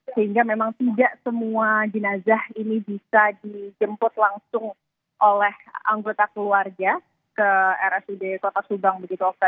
sehingga memang tidak semua jenazah ini bisa dijemput langsung oleh anggota keluarga ke rsud kota subang